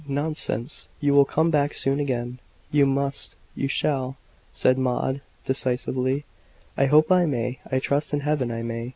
Nonsense! you will come back soon again. You must you shall!" said Maud, decisively. "I hope I may I trust in Heaven I may!"